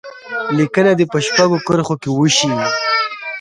لیکنه دې په شپږو کرښو کې وشي.